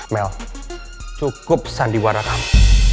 mel cukup sandiwara kamu